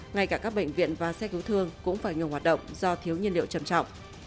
ngay cả các bệnh viện và xe cứu thương cũng phải ngừng hoạt động do thiếu nhiên liệu trầm trọng